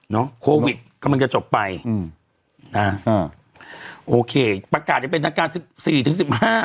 โควิดกำลังจะจบไปอืมนะอ่าโอเคประกาศอย่างเป็นทางการสิบสี่ถึงสิบห้า